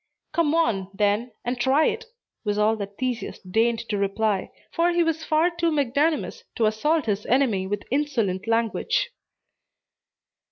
"Come on, then, and try it!" was all that Theseus deigned to reply; for he was far too magnanimous to assault his enemy with insolent language.